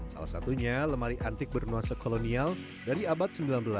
salah satunya lemari antik bernuansa kolonial dari abad sembilan belas